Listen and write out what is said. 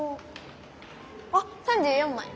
あっ３４まい。